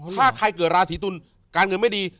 ถ้าใครเกิดราศีตุลการเงินไม่ดี